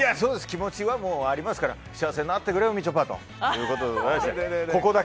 気持ちはもうありますから幸せになってくれよみちょぱということで。